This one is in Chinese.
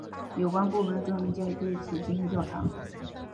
有关部门正在对此进行调查。